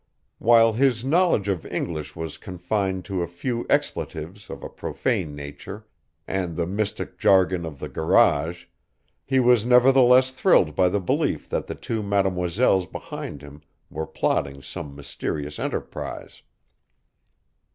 While his knowledge of English was confined to a few expletives of a profane nature and the mystic jargon of the garage, he was nevertheless thrilled by the belief that the two mademoiselles behind him were plotting some mysterious enterprise.